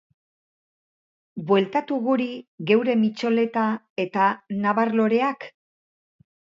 Bueltatu guri geure mitxoleta eta nabar-loreak?